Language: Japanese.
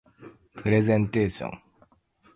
プレゼンテーション